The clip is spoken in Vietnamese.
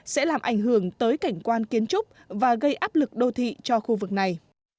sẽ làm ảnh hưởng tới cảnh quan kiến trúc và gây áp lực đô thị cho khu vực này